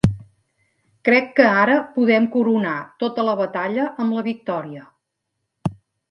Crec que ara podem coronar tota la batalla amb la victòria.